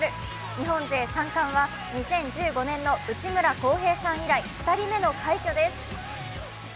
日本勢３冠は２０１５年の内村航平さん以来２人目の快挙です。